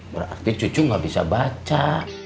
berarti cucu nggak bisa baca